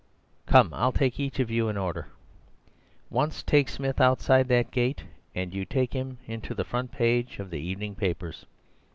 "Come, I'll take each of you in order. Once take Smith outside that gate, and you take him into the front page of the evening papers.